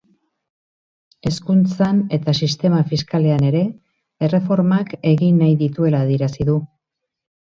Hezkuntzan eta sistema fiskalean ere erreformak egin nahi dituela adierazi du.